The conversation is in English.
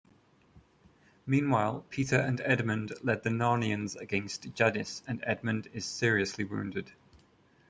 Meanwhile, Peter and Edmund lead the Narnians against Jadis, and Edmund is seriously wounded.